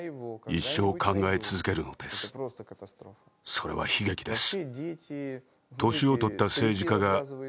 それは悲劇です。